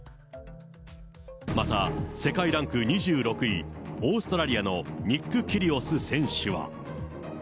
また世界ランク２６位、オーストラリアのニック・キリオス選手は。